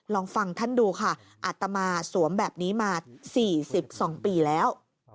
ลองฟังท่านดูค่ะอัตมาสวมแบบนี้มา๔๒ปีแล้ว